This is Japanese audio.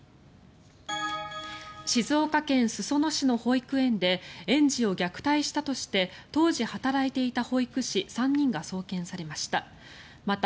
静岡県裾野市の保育園で園児を虐待したとして当時働いていた保育士３人が送検されました。